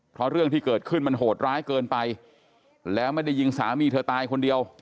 เพราะเรื่องที่เกิดขึ้นมันโหดร้ายเกินไปแล้วไม่ได้ยิงสามีเธอตายคนเดียว